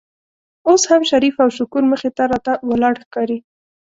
اوس هم شریف او شکور مخې ته راته ولاړ ښکاري.